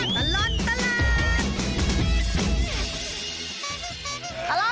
ช่วงตลอดตลาด